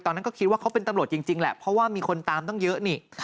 ตอนนั้นก็คิดว่าเขาเป็นตำรวจจริงแหละเพราะว่ามีคนตามตั้งเยอะนี่